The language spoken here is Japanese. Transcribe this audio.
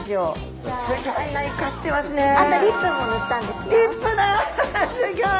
すギョい！